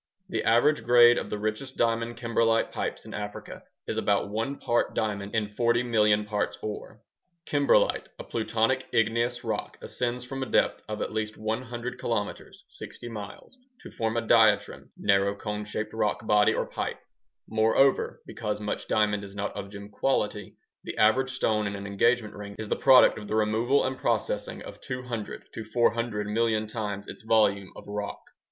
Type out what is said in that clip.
The average grade of the richest diamond kimberlite pipes in Africa is about 1 part diamond in 40 million parts ŌĆ£ore. ŌĆØ Kimberlite, a plutonic igneous rock, ascends from a depth of at least 100 kilometers (60 miles) to form a diatreme (narrow cone shaped rock body or ŌĆ£pipeŌĆØ). Moreover, because much diamond is not of gem quality, the average stone in an engagement ring is the product of the removal and processing of 200 to 400 million times its volume of rock.